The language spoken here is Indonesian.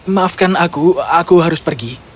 maafkan aku aku harus pergi